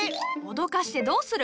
脅かしてどうする！